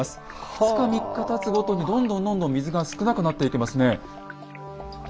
２日３日たつごとにどんどんどんどん水が少なくなっていきますね。